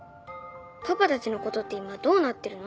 パパたちのことって今どうなってるの？